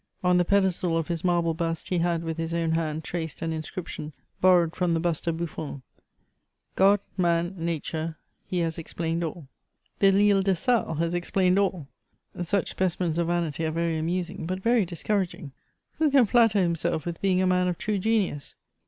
On the pedestal of his marble bust, he had, with his own hand, traced an in scription, borrowed from the bust of Buffon : God, man, nature, he has explained all, Delisle de Sales has explained all / Such specimens of vanity are very amusing, but very discouraging. Who can flatter himself with being a man of true genius